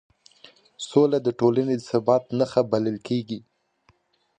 سوله د ټولنې د ثبات نښه بلل کېږي